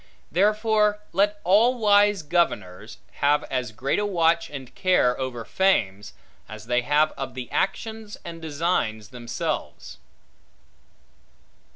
Therefore let all wise governors have as great a watch and care over fames, as they have of the actions and designs themselves.